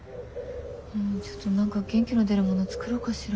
ちょっと何か元気の出るもの作ろうかしら。